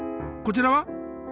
こちらは？